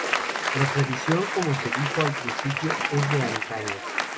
La tradición, como se dijo al principio, es de antaño.